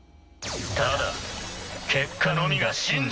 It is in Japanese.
ただ結果のみが真実。